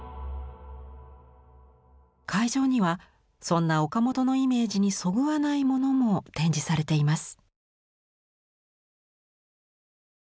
会場にはそんな岡本のイメージにそぐわないものも展示されています。